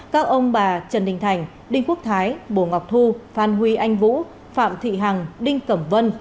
các ông bà trần đình thành đinh quốc thái bồ ngọc thu phan huy anh vũ phạm thị hằng đinh cẩm vân